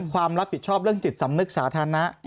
ความรับผิดชอบเรื่องจิตสำนึกสาธารณะ